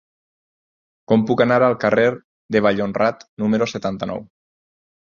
Com puc anar al carrer de Vallhonrat número setanta-nou?